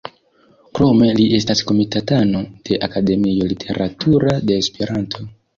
Krome li estas komitatano de Akademio Literatura de Esperanto.